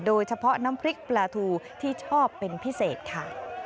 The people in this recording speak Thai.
โดยเฉพาะน้ำพริกปลาทูที่ชอบเป็นพิเศษค่ะ